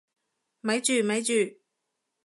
咪住咪住！